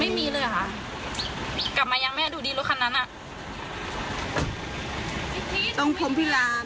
ไม่มีเลยครับ